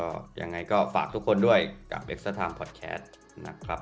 ก็ยังไงก็ฝากทุกคนด้วยกับเอ็กเซอร์ไทม์พอดแคสนะครับ